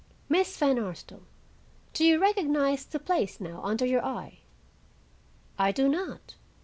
Miss Van Arsdale, do you recognize the place now under your eye?" "I do not.